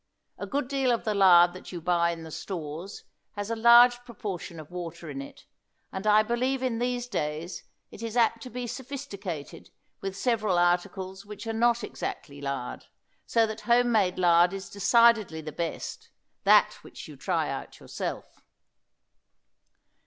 A good deal of the lard that you buy in the stores has a large proportion of water in it, and I believe in these days it is apt to be sophisticated with several articles which are not exactly lard, so that home made lard is decidedly the best; that which you try out yourself.